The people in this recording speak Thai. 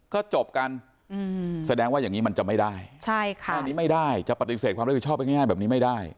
ก็จบกันแสดงว่าอย่างนี้มันจะไม่ได้จะปฏิเสธความรับผิดชอบง่ายแบบนี้ไม่ได้